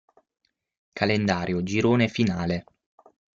Calendario girone finale